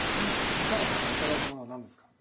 お母さんから頂いたものは何ですか？